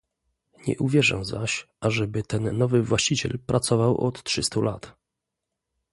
"Nie uwierzę zaś, ażeby ten nowy właściciel pracował od trzystu lat..."